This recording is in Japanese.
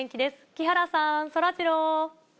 木原さん、そらジロー。